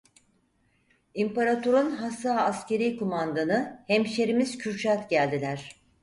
İmparator'un hassa askeri kumandanı hemşerimiz Kürşad geldiler.